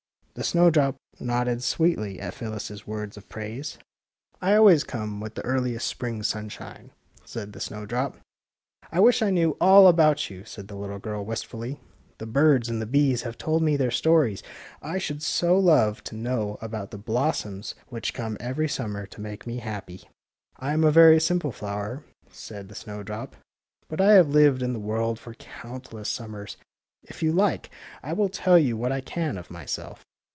The snowdrop nodded sweetly at Phyllis 's words of praise. IN THE SPRING TIME GARDEN 5 *^ I always come with the earliest spring sunshine/^ said the snowdrop. ^' 1 wish I knew all about you/' said the little girl, wistfuUy. '' The birds and the bees have told me their stories. I should so love to know about the blossoms which come every summer to make me happy. ''I am a very simple flower," said the snow drop, ^' but I have lived in the world for coimt less summers. If you like, I will tell you what I can of myself."